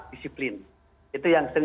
disiplin itu yang sering